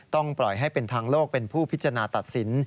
ปล่อยให้เป็นทางโลกเป็นผู้พิจารณาตัดสิน